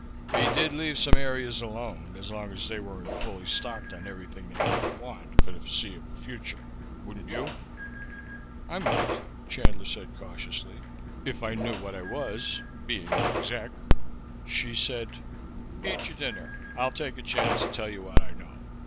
They did leave some areas alone, as long as they weren't fully stocked on everything they might want for the foreseeable future. Wouldn't you?" "I might," Chandler said cautiously, "if I knew what I was being an exec." Hsi said, "Eat your dinner. I'll take a chance and tell you what I know."